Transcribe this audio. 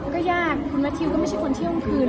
ก็ยากคุณบทิ้งก็ไม่คนที่องค์คืน